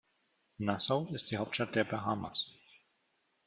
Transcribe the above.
Nassau ist die Hauptstadt der Bahamas.